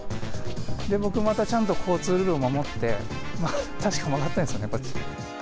で、僕、またちゃんと交通ルール守って、確か曲がったんですよね、こっちに。